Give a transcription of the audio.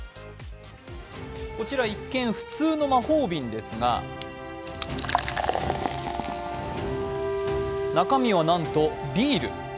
こちら一見、普通の魔法瓶ですが中身はなんとビール。